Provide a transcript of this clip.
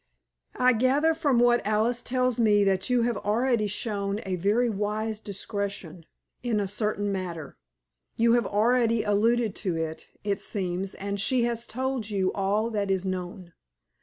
"I gather from what Alice tells me that you have already shown a very wise discretion in a certain matter. You have already alluded to it, it seems, and she has told you all that is known.